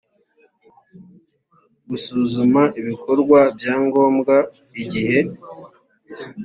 gusuzuma ibikorwa bya ngombwa igihe